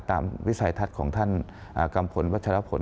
ในลายธัศน์ของท่านกัมพลวัชฌาพล